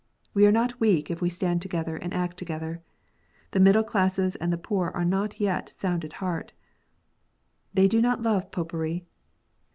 We are not weak if we stand together and act together. The middle classes and the poor are yet sound at heart. They do not love Popery.